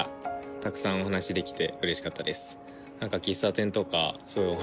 たくさんお話しできてうれしかったです。